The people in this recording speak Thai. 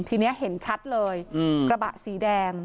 ทีนี้เห็นชัดเลยกระบะสีแดง